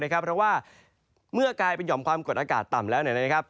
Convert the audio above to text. เพราะว่าเมื่อกลายเป็นหย่อมความกดอากาศต่ำแล้ว